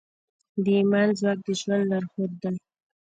د ایمان ځواک د ژوند لارښود دی.